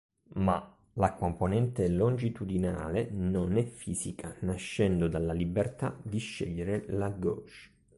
Ma, la componente longitudinale non è fisica nascendo dalla libertà di scegliere la gauge.